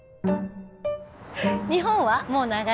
日本はもう長い？